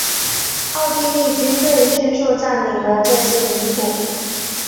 奥地利军队迅速占领了这些领土。